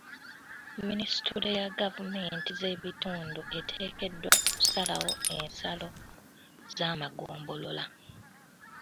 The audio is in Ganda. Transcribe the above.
Minisutule ya gavumenti z'ebitundu eteekeddwa okusalawo ensalo z'amagombolola.